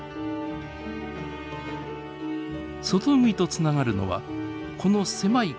外海とつながるのはこの狭い海峡だけ。